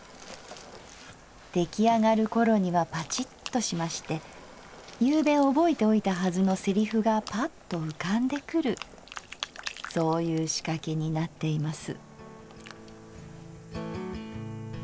できあがるころにはパチッとしまして昨夕覚えておいたはずのセリフがぱっと浮かんでくるそういうしかけになっています」。